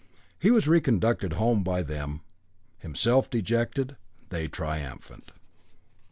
He was reconducted home by them, himself dejected, they triumphant.